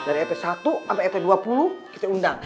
dari rt satu sampai rt dua puluh kita undang